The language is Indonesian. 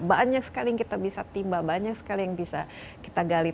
banyak sekali yang kita bisa timba banyak sekali yang bisa kita gali